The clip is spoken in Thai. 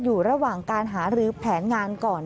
อยู่ระหว่างการหารือแผนงานก่อน